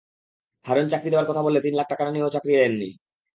হারুন চাকরি দেওয়ার কথা বলে তিন লাখ টাকা নিয়েও চাকরি দেননি।